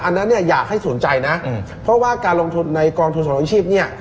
อันนั้นอยากให้สูญใจนะเพราะว่าการลงทุนในกองทุนสมรองเรียนชีพ